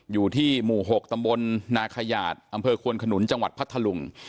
อยู่ที่หมู่๖ตำบลนาขยาดอำเภอควนขนุนจังหวัดพัทธลุง